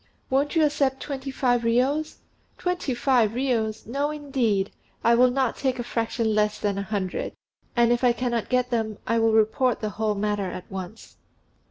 "Won't you accept twenty five riyos?" "Twenty five riyos! No, indeed! I will not take a fraction less than a hundred; and if I cannot get them I will report the whole matter at once."